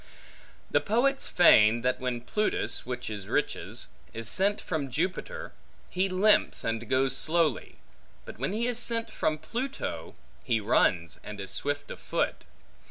The poets feign, that when Plutus (which is Riches) is sent from Jupiter, he limps and goes slowly; but when he is sent from Pluto, he runs, and is swift of foot.